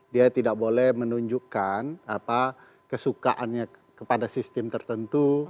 dia tidak boleh menunjukkan kesukaannya kepada sistem tertentu